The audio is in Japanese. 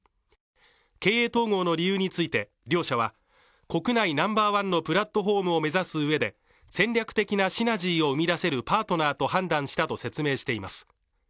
経営統合の理由について両社は、国内ナンバーワンのプラットフォームを目指すうえで戦略的なシナジーを生み出せるパートナーと判断したと説明しています。